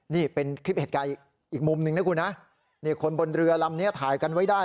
นี่เป็นคลิปเหตุการณ์อีกมุมหนึ่งนะคุณนะนี่คนบนเรือลำนี้ถ่ายกันไว้ได้